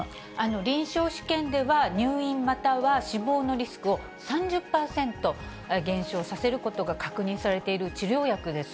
臨床試験では、入院または死亡のリスクを３０％減少させることが確認されている治療薬です。